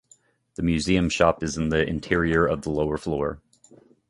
The museum shop is in the interior of the lower floor.